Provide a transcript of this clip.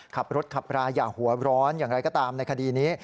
ขับรถขับราอย่าหัวร้อนอย่างไรก็ตามในคดีนี้